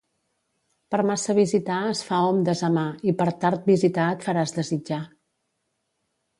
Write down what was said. Per massa visitar es fa hom desamar i per tard visitar et faràs desitjar.